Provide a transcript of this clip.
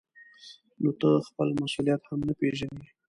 نو ته خپل مسؤلیت هم نه پېژنې.